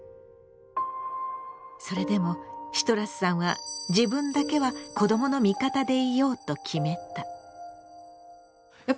それでもシトラスさんは自分だけは子どもの味方でいようと決めた。